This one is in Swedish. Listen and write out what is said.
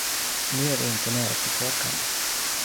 Nu är vi inte nere på Tåkern.